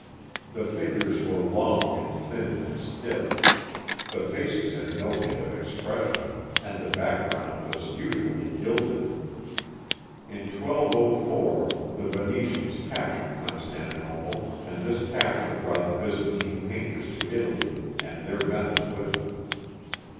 The figures were long and thin and stifif; the faces had no hint of expression, and the background was usually gilded. In 1204, the Venetians captured Constantinople, and this capture brought the Byzantine painters to Italy and their method with them.